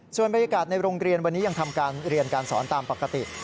ส่วนบรรยากาศในว่ท่ีกรงเรียนยังทำการเรียนการสอนตามปกติ